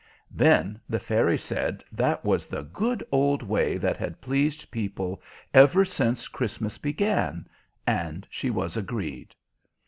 Then the Fairy said that was the good old way that had pleased people ever since Christmas began, and she was agreed.